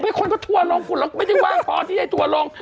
สรุปให้คนก็ทัวร์ลงคุณล่ะไม่ได้ว่างพอที่จะทัวร์ลง